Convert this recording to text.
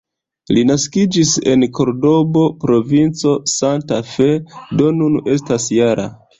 Li naskiĝis en Kordobo, provinco Santa Fe, do nun estas -jara.